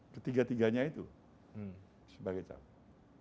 ketiga tiganya itu sebagai calon